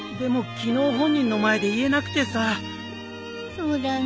そうだね。